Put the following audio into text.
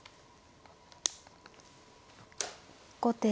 後手